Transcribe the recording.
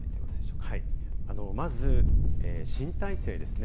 まず新体制ですね。